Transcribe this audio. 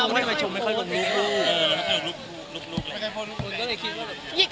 เออไม่ค่อยพอลูกเลย